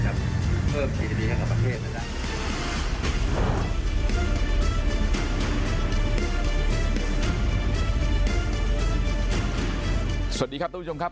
สวัสดีข้าพบทัวร์สำหรับทุกคนครับ